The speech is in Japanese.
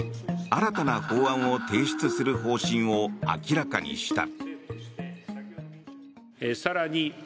新たな法案を提出する方針を明らかにした。